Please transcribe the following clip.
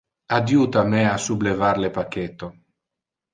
Adjuta me a sublevar le pacchetto.